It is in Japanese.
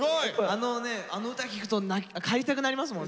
あのねあの歌聴くと帰りたくなりますもんね。